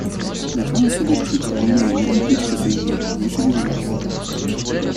Должна Вас огорчить, у меня иная точка зрения, нежели у Вас.